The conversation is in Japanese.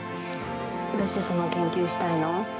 どうしてその研究したいの？